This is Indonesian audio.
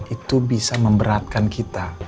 itu bisa memberatkan kita